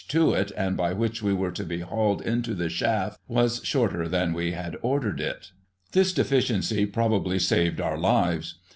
13 to it, and by which we were to be hauled into the shaft, was shorter than we had ordered it This deficiency probably saved our hves.